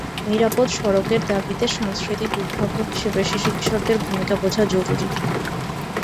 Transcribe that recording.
নিরাপদ সড়কের দাবিতে সাংস্কৃতিক উদ্ভাবক হিসেবে শিশু কিশোরদের ভূমিকা বোঝা জরুরি।